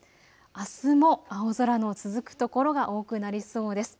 あすも青空の続く所が多くなりそうです。